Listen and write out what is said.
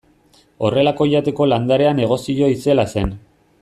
Horrelako jateko landarea negozio itzela zen.